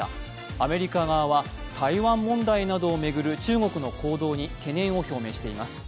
アメリカ側は台湾問題などを巡る中国の行動に懸念を表明しています。